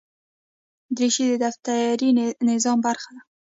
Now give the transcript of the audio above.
دریشي د دفتري نظم برخه ده.